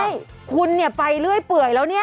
ใช่คุณเนี่ยไปเรื่อยเปื่อยแล้วเนี่ย